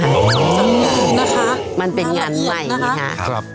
โอ้โหนะคะมันเป็นงานใหม่นะคะครับ